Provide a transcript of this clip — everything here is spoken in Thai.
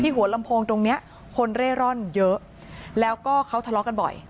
หัวลำโพงตรงเนี้ยคนเร่ร่อนเยอะแล้วก็เขาทะเลาะกันบ่อย